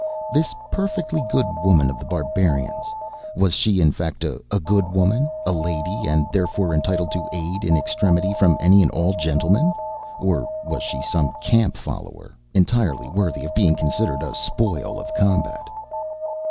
This 'perfectly good woman' of The Barbarian's was she in fact a good woman, a lady, and therefore entitled to aid in extremity from any and all gentlemen; or was she some camp follower, entirely worthy of being considered a spoil of combat?